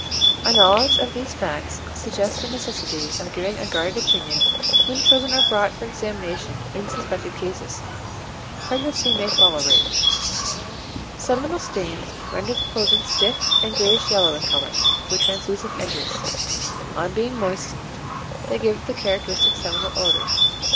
A knowledge of these facts suggests the necessity of giving a guarded opinion when children are brought for examination in suspected cases. Pregnancy may follow rape. Seminal stains render the clothing stiff and greyish yellow in colour, with translucent edges. On being moistened they give the characteristic seminal odour.